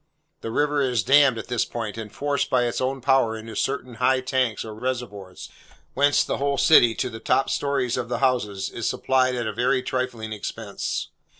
The river is dammed at this point, and forced by its own power into certain high tanks or reservoirs, whence the whole city, to the top stories of the houses, is supplied at a very trifling expense.